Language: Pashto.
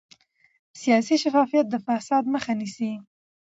سیاسي شفافیت د فساد مخه نیسي